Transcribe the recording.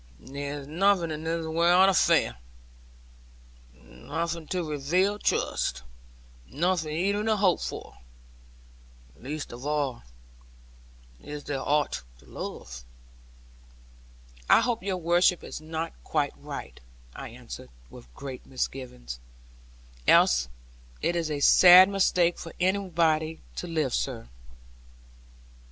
There is nothing in this world to fear, nothing to revere or trust, nothing even to hope for; least of all, is there aught to love.' 'I hope your worship is not quite right,' I answered, with great misgivings; 'else it is a sad mistake for anybody to live, sir.'